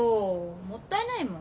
もったいないもん。